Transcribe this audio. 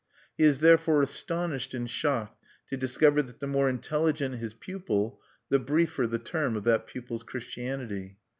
He is therefore astonished and shocked to discover that the more intelligent his pupil, the briefer the term of that pupil's Christianity.